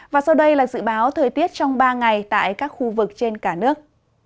và sau đây là dự báo thời tiết trong ba ngày tại các khu vực trên cả nước